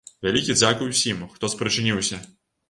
Вялікі дзякуй усім, хто спрычыніўся!